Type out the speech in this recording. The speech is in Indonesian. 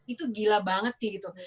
itu gila banget sih gitu